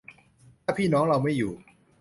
ถ้าพี่น้องเราไม่อยู่